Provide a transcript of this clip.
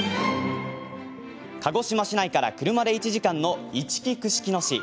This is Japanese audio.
鹿児島市内から車で１時間のいちき串木野市。